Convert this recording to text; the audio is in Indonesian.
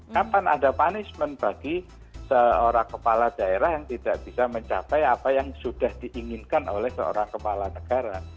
kapan ada punishment bagi seorang kepala daerah yang tidak bisa mencapai apa yang sudah diinginkan oleh seorang kepala negara